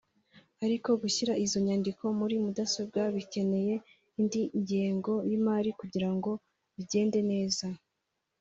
Ariko gushyira izo nyandiko muri mudasobwa bikeneye indi ngengo y’imari kugira ngo bigende neza